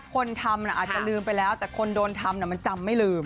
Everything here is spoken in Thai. คนทำอาจจะลืมไปแล้วแต่คนโดนทำมันจำไม่ลืม